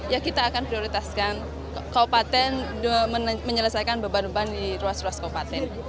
ya kita akan prioritaskan kaupaten menyelesaikan beban beban di ruas ruasnya